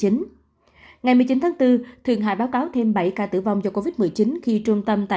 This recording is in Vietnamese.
ngày một mươi chín tháng bốn thượng hải báo cáo thêm bảy ca tử vong do covid một mươi chín